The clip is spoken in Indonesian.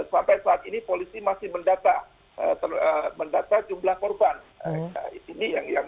sampai saat ini polisi masih mendata jumlah korban